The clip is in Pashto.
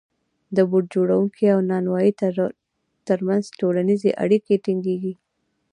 د بوټ جوړونکي او نانوای ترمنځ ټولنیزې اړیکې ټینګېږي